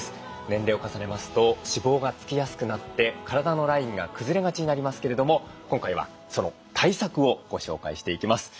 年齢を重ねますと脂肪がつきやすくなって体のラインがくずれがちになりますけれども今回はその対策をご紹介していきます。